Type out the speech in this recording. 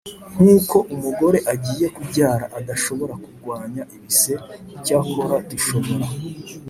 Nk uko umugore ugiye kubyara adashobora kurwanya ibise icyakora dushobora